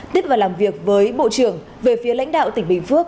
tích vào làm việc với bộ trưởng về phía lãnh đạo tỉnh bình phước